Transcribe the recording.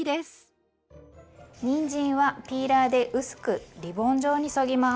にんじんはピーラーで薄くリボン状にそぎます。